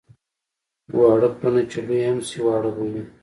واړه پلونه چې لوی هم شي واړه به وي.